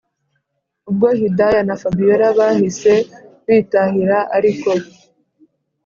ubwo hidaya na fabiora bahise bitahira ariko